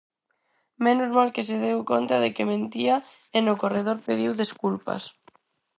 Menos mal que se deu conta de que mentía e no corredor pediu desculpas.